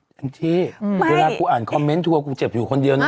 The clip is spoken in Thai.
แองจี้เวลากูอ่านคอมเมนต์ทัวร์กูเจ็บอยู่คนเดียวนะ